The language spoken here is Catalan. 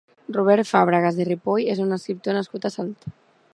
Robert Fàbregas i Ripoll és un escriptor nascut a Salt.